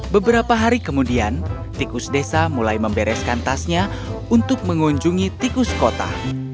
beberapa hari kemudian tikus desa mulai membereskan tasnya untuk mengunjungi tikus kota